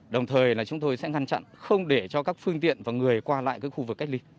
đồng thời là chúng tôi sẽ ngăn chặn không để cho các phương tiện và người qua lại các khu vực cách ly